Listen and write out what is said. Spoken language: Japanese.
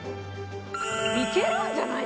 いけるんじゃない？